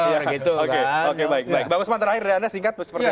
bang usman terakhir ada singkat seperti apa